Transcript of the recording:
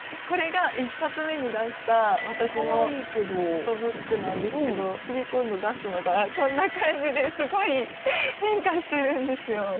これが１冊目に出した私のフォトブックなんですけどかわいいけど次今度出すのがこんな感じですごい変化してるんですよ